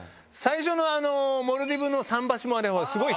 最初のモルディブの桟橋も。